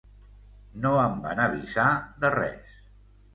No em van avisar, de res.